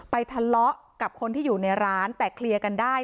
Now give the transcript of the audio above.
ทะเลาะกับคนที่อยู่ในร้านแต่เคลียร์กันได้